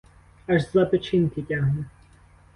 Аж за печінки тягне!